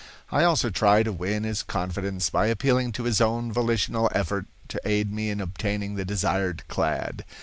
I also try to win his confidence by appealing to his own volitional effort to aid me in obtaining the desired clad.